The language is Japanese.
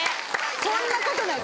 そんなことない！